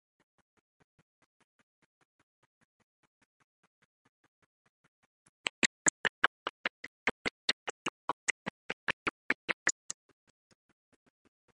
In terms of development, television has evolved significantly over the years.